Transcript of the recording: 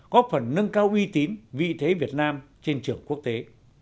góp phần nâng cao uy tín vị thế việt nam trên trường quốc tế